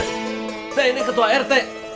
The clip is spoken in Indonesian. saya ini ketua rt